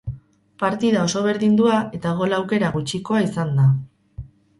Partida oso berdindua eta gol aukera gutxikoa izan da.